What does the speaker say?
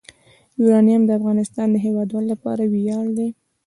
یورانیم د افغانستان د هیوادوالو لپاره ویاړ دی.